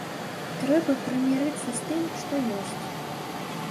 Трэба прымірыцца з тым, што ёсць.